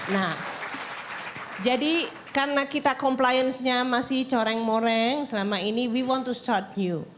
nah jadi karena kita compliance nya masih coreng moreng selama ini we want to start you